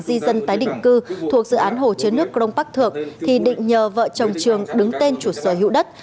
di dân tái định cư thuộc dự án hồ chứa nước crong park thượng thì định nhờ vợ chồng trường đứng tên chủ sở hữu đất